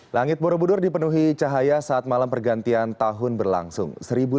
langit borobudur dipenuhi cahaya saat malam pergantian tahun berlangsung